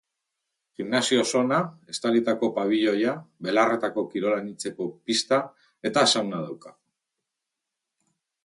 Gimnasio-zona, estalitako pabiloia, belarretako kirol anitzeko pista, eta sauna dauka.